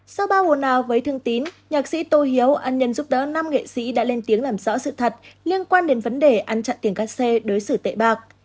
sau bao hồn ào với thương tín nhạc sĩ tô hiếu ăn nhân giúp đỡ năm nghệ sĩ đã lên tiếng làm rõ sự thật liên quan đến vấn đề ăn chặn tiền cắt xe đối xử tệ bạc